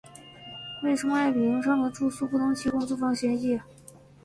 为什么爱迎彼上的住宿不能提供租房协议？